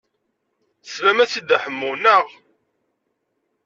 Teslam-as i Dda Ḥemmu, naɣ?